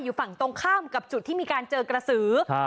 อยู่ฝั่งตรงข้ามกับจุดที่มีการเจอกระสือ